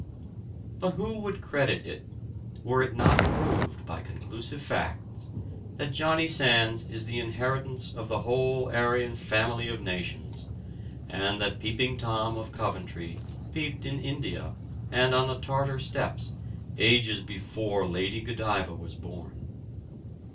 But who would credit it, were it not proved by conclusive facts, that Johnny Sands is the inheritance of the whole Aryan family of nations, and that Peeping Tom of Coventry peeped in India and on the Tartar steppes ages before Lady Godiva was born?